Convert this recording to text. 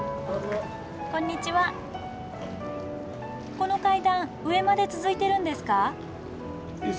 この階段上まで続いてるんですか？